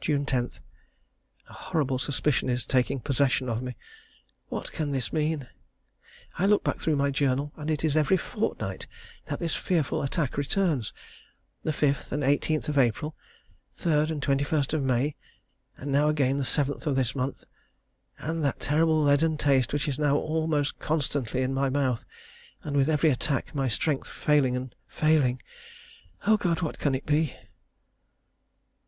June 10. A horrible suspicion is taking possession of me. What can this mean? I look back through my journal, and it is every fortnight that this fearful attack returns. The 5th and 18th of April 3rd and 21st of May and now again the 7th of this month. And that terrible leaden taste which is now almost constantly in my mouth; and with every attack my strength failing failing O God, what can it be?